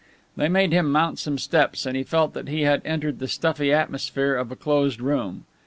They made him mount some steps and he felt that he had entered the stuffy atmosphere of a closed room.